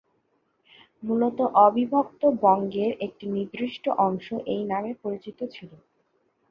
মূলত অবিভক্ত বঙ্গের একটি নির্দিষ্ট অংশ এই নামে পরিচিত ছিল।